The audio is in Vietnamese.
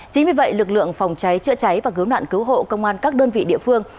chính vì vậy lực lượng phòng cháy chữa cháy và cứu nạn cứu hộ công an các đơn vị địa phương